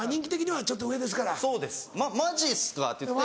「マジっすか？」って言って。